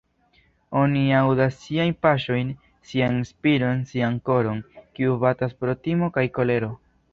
Oni aŭdas siajn paŝojn, sian spiron, sian koron, kiu batas pro timo kaj kolero...